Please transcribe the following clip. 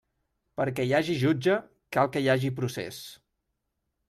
Perquè hi hagi jutge, cal que hi hagi procés.